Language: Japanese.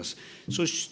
そして